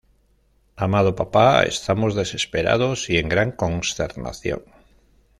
Amado Papá, estamos desesperados y en gran consternación.